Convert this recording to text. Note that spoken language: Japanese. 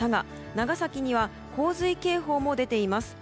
長崎には洪水警報も出ています。